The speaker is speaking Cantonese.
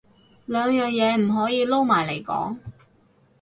兩樣嘢唔可以撈埋嚟講